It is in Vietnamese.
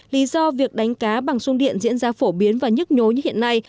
lý do việc đánh cá bằng sung điện diễn ra phổ biến và nhức nhối như hiện nay